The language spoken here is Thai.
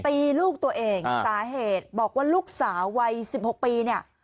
ตีลูกตัวเองสาเหตุบอกว่าลูกสาววัยสิบหกปีเนี่ย